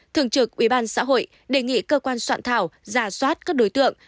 thường trực ubnd đề nghị cơ quan soạn thảo giả soát các đối tượng